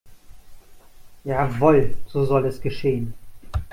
Jawohl, so soll es geschehen.